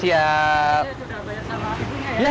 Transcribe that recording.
saya sudah bayar sama ibunya ya